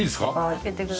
開けてください。